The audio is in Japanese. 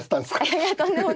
いやいやとんでもない。